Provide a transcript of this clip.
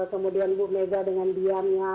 kemudian bumegang dengan diamnya